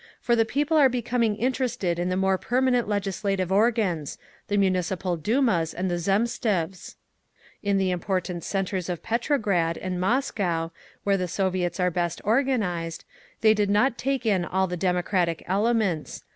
"For the people are becoming interested in the more permanent legislative organs—the Municipal Dumas and the Zemstvs…. "In the important centres of Petrograd and Moscow, where the Soviets were best organised, they did not take in all the democratic elements….